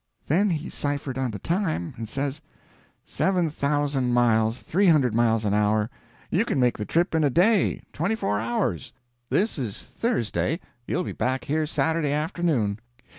Then he ciphered on the time, and says— "Seven thousand miles, three hundred miles an hour—you can make the trip in a day—twenty four hours. This is Thursday; you'll be back here Saturday afternoon.